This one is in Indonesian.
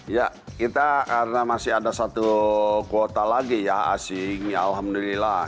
ya kita karena masih ada satu kuota lagi ya asing ya alhamdulillah